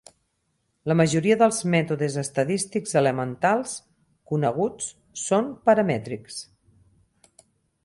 La majoria dels mètodes estadístics elementals coneguts són paramètrics.